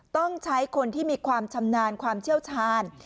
ต้องใช้คนที่มีความชำนาญความเชี่ยวชาญ